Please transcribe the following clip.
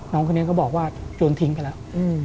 น้องคนนี้ก็บอกว่าโยนทิ้งไปแล้ว